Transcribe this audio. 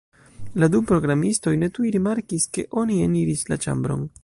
La du programistoj ne tuj rimarkis, ke oni eniris la ĉambron.